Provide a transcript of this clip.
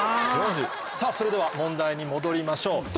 それでは問題に戻りましょう所